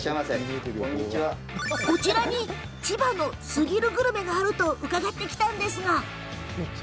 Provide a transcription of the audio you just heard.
こちらに千葉のすぎるグルメがあると伺ってきたんですが。